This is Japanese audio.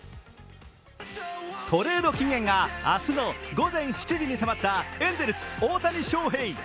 トレード期限が明日の午前７時に迫ったエンゼルス・大谷翔平。